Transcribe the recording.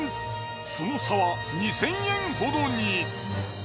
その差は２，０００円ほどに。